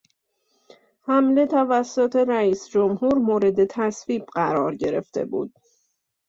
حمله توسط رئیس جمهور مورد تصویب قرار گرفته بود.